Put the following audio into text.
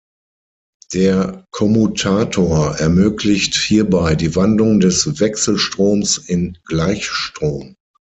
Der Kommutator ermöglicht hierbei die Wandlung des Wechselstroms in Gleichstrom.